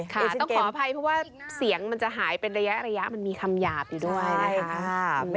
เดี๋ยวฉันต้องขออภัยเพราะว่าเสียงมันจะหายเป็นระยะมันมีคำหยาบอยู่ด้วยนะคะ